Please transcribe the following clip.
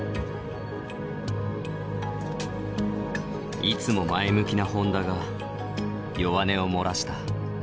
いつも前向きな本多が弱音を漏らした。